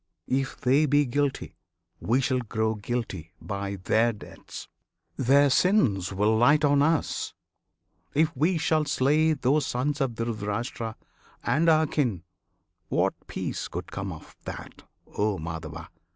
If they be Guilty, we shall grow guilty by their deaths; Their sins will light on us, if we shall slay Those sons of Dhritirashtra, and our kin; What peace could come of that, O Madhava?